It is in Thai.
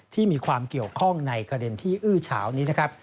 ที่มีความเกี่ยวข้องในประเด็นที่อื้อเฉานี้นะครับ